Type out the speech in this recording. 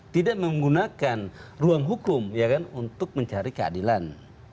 tidak menggunakan ruang hukum untuk mencari keadilan